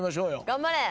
頑張れ。